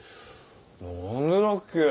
何でだっけ。